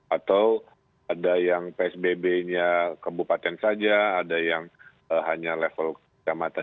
atau ada yang psbb nya kebupaten saja ada yang hanya level kecamatan